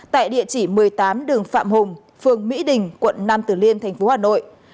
tại địa chỉ một mươi tám đường phạm hùng phường mỹ đình quận nam tử liêm thành phố hà nội